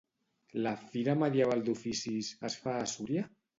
La "Fira Medieval d'Oficis" es fa a Súria?